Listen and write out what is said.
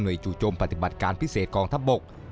จู่โจมปฏิบัติการพิเศษกองทัพบก